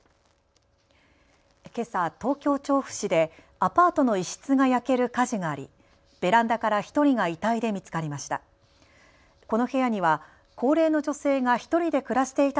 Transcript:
けさ、東京調布市でアパートの一室が焼ける火事がありベランダから１人が遺体で見つかりました。